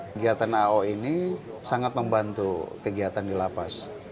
kegiatan ao ini sangat membantu kegiatan di lapas